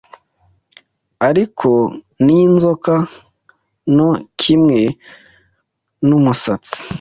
Ariko n'inzoka nto kimwe n'umusatsi